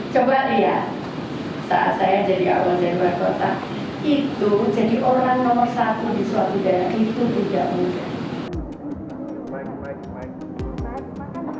coba lihat saat saya jadi awal jenis berkota itu jadi orang nomor satu di suatu daerah itu juga mungkin